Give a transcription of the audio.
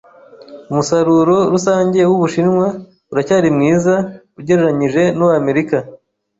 Umusaruro rusange w'Ubushinwa uracyari mwiza ugereranije n'uwa Amerika.